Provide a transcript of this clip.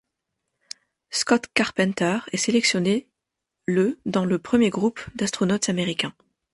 Scott Carpenter est sélectionné le dans le premier groupe d'astronautes américains.